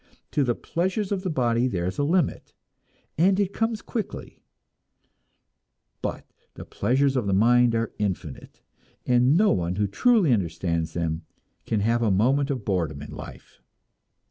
To the pleasures of the body there is a limit, and it comes quickly; but the pleasures of the mind are infinite, and no one who truly understands them can have a moment of boredom in life.